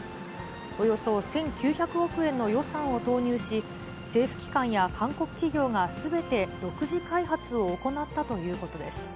およそ１９００億円の予算を投入し、政府機関や韓国企業がすべて独自開発を行ったということです。